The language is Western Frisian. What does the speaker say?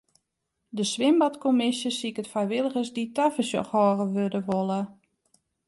De swimbadkommisje siket frijwilligers dy't tafersjochhâlder wurde wolle.